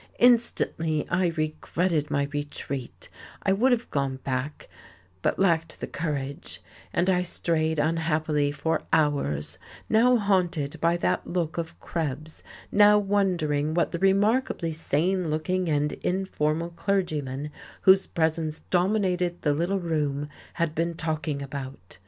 Instantly I regretted my retreat, I would have gone back, but lacked the courage; and I strayed unhappily for hours, now haunted by that look of Krebs, now wondering what the remarkably sane looking and informal clergyman whose presence dominated the little room had been talking about.